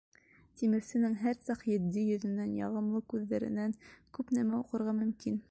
Тимерсенең һәр саҡ етди йөҙөнән, яғымлы күҙҙәренән күп нәмә уҡырға мөмкин.